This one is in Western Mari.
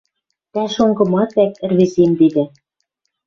Тӓ шонгымат вӓк ӹрвеземдедӓ